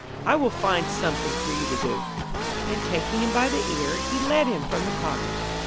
I will find something for you to do.' And taking him by the ear he led him from the cottage.